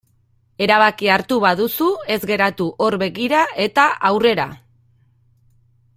Erabakia hartu baduzu ez geratu hor begira eta aurrera.